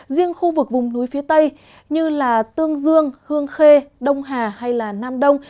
riêng khu vực vùng núi phía tây như tương dương hương khê đông hà hay nam đông